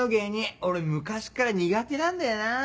俺昔から苦手なんだよな。